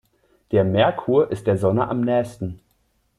Der Merkur ist der Sonne am nähesten.